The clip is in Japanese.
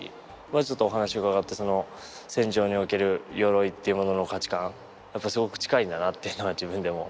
ちょっとお話伺って戦場における鎧っていうものの価値観やっぱすごく近いんだなっていうのは自分でも思いましたし。